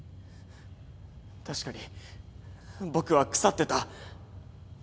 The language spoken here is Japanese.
確かに僕は腐ってた。